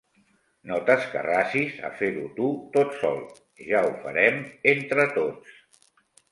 No t'escarrassis a fer-ho tu tot sol: ja ho farem entre tots.